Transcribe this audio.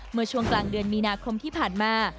เมื่อช่วงกลางเดือนมีนาคมที่ผ่านมา